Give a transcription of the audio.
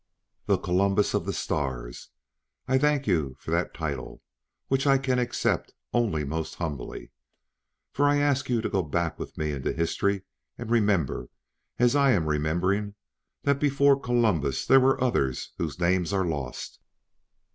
"The Columbus of the Stars! I thank you for that title, which I can accept only most humbly. For I ask you to go back with me into history and remember, as I am remembering, that before Columbus there were others whose names are lost.